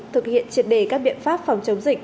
thực hiện triệt đề các biện pháp phòng chống dịch